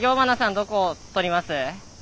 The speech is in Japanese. どこ取ります？